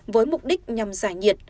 với mục đích nhằm giải nhiệt